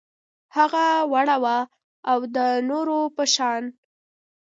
هغه وړه وه او د نورو په شان